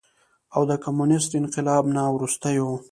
او د کميونسټ انقلاب نه وروستو